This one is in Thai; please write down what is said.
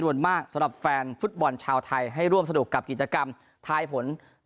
ด่วนมากสำหรับแฟนฟุตบอลชาวไรให้ร่วมสะดวกกับกิจกรรมท้ายผลฟุตบอล